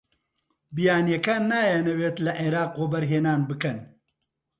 بیانییەکان نایانەوێت لە عێراق وەبەرهێنان بکەن.